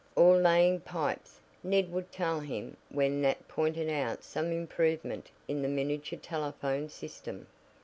"Or laying pipes," Ned would tell him when Nat pointed out some improvement in the miniature telephone system.